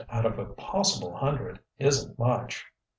out of a possible hundred isn't much."